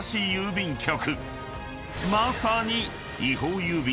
［まさに］